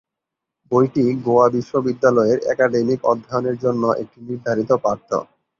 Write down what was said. বইটি গোয়া বিশ্ববিদ্যালয়ের একাডেমিক অধ্যয়নের জন্য একটি নির্ধারিত পাঠ্য।